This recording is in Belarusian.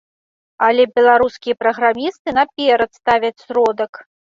Але беларускія праграмісты наперад ставяць сродак.